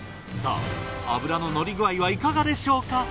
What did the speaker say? さぁ脂の乗り具合はいかがでしょうか？